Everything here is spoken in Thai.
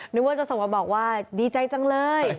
นึกว่าจะส่งมาบอกว่าดีใจจังเลย